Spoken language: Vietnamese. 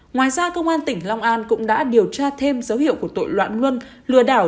ngoài ra công an tỉnh long an cũng đã điều tra thêm dấu hiệu của tội loạn luân lừa đảo